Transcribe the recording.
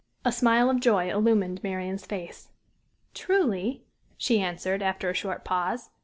A smile of joy illumined Marian's face. "Truly," she answered, after a short pause.